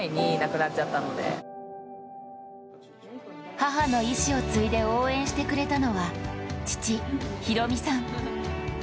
母の遺志を次いで応援してくれたのは父・博美さん。